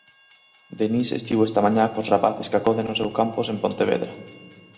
Denis estivo esta mañá cos rapaces que acoden ao seu campus en Pontevedra.